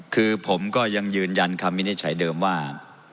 คือผมก็ยังยืนยันคำวินิจฉัยเดิมว่า